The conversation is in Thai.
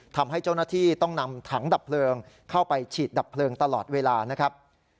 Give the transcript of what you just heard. ทำให้เจ้าหน้าที่ต้องนำถังดับเพลิงเข้าไปฉีดดับเพลิงตลอดเวลานะครับ